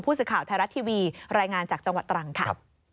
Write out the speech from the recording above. สื่อข่าวไทยรัฐทีวีรายงานจากจังหวัดตรังค่ะ